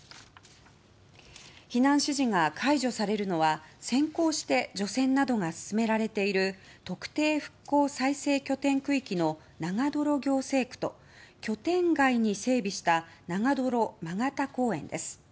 避難指示が解除されるのは先行して除染などが進められている特定復興再生拠点区域の長泥行政区と拠点外に整備した長泥曲田公園です。